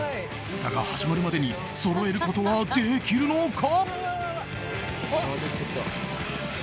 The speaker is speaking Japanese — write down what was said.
歌が始まるまでにそろえることはできるのか。